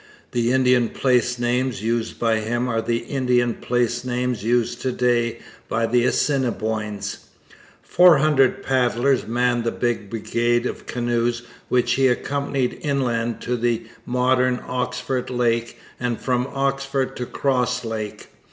The Indian place names used by him are the Indian place names used to day by the Assiniboines. Four hundred paddlers manned the big brigade of canoes which he accompanied inland to the modern Oxford Lake and from Oxford to Cross Lake.